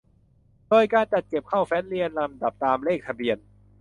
โดยการจัดเก็บเข้าแฟ้มเรียงลำดับตามเลขทะเบียน